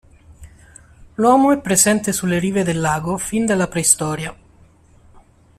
L'uomo è presente sulle rive del lago fin dalla preistoria.